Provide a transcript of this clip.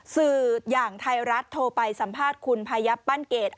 สื่ออย่างไทยรัฐโทรไปสัมภาษณ์คุณพายับปั้นเกต